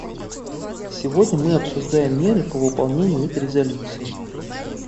Сегодня мы обсуждаем меры по выполнению этой резолюции.